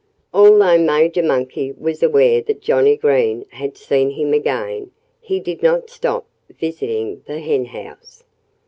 Although Major Monkey was aware that Johnnie Green had seen him again, he did not stop visiting the henhouse.